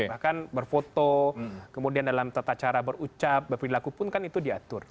bahkan berfoto kemudian dalam tata cara berucap berperilaku pun kan itu diatur